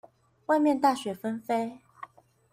外面大雪紛飛